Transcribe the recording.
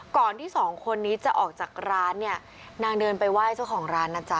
ที่สองคนนี้จะออกจากร้านเนี่ยนางเดินไปไหว้เจ้าของร้านนะจ๊ะ